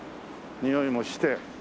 においもして。